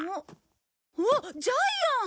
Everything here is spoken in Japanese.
あっジャイアン！